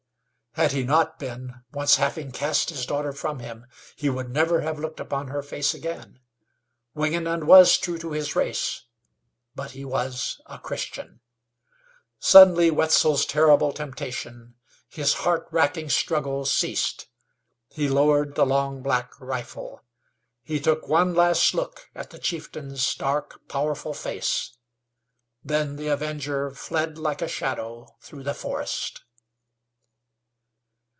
Had he not been, once having cast his daughter from him, he would never have looked upon her face again. Wingenund was true to his race, but he was a Christian. Suddenly Wetzel's terrible temptation, his heart racking struggle ceased. He lowered the long, black rifle. He took one last look at the chieftain's dark, powerful face. Then the Avenger fled like a shadow through the forest.